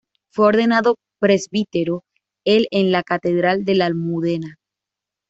Fue ordenado presbítero el en la Catedral de la Almudena.